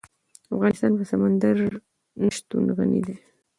افغانستان په سمندر نه شتون غني دی.